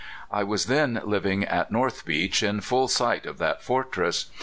I was then living at North Beach, in full sight of that fortress.